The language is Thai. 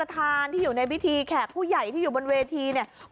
ทานที่อยู่ในพิธีแขกผู้ใหญ่ที่อยู่บนเวทีเนี่ย